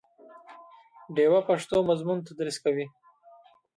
ډیوه پښتو مضمون تدریس کوي